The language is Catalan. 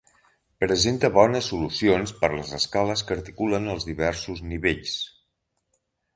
Presenta bones solucions per les escales que articulen els diversos nivells.